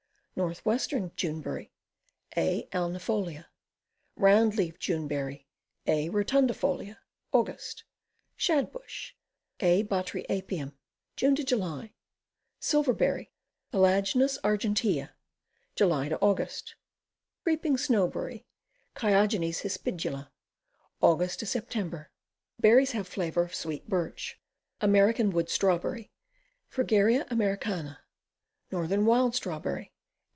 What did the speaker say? Northwestern June berry. A. alnifoUa. Round leaved June berry. A. rotundifolia. Aug. Shad bush. A. Botryapium. June July. Silver berry. Eloeagnus argentea. July Aug. Creeping Snowberry. Chiogenes hispidma. Aug. Sep. Berries have flavor of sweet birch. American Wood Strawberry. Fragaria Americana. Northern Wild Strawberry.